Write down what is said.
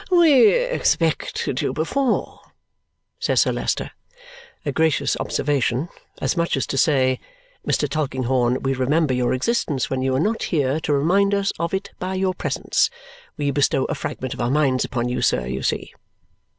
"We expected you before," says Sir Leicester. A gracious observation. As much as to say, "Mr. Tulkinghorn, we remember your existence when you are not here to remind us of it by your presence. We bestow a fragment of our minds upon you, sir, you see!"